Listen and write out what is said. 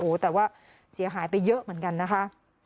โอ้โหแต่ว่าเสียหายไปเยอะเหมือนกันนะคะ